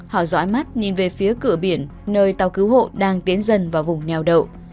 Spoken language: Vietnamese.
họ dõi mắt nhìn về phía cửa biển nơi tàu cứu hộ đang tiến dần vào vùng neo đậu